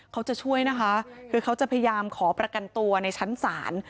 เขาจะช่วยนะคะคือเขาจะพยายามขอประกันตัวในชั้นศาล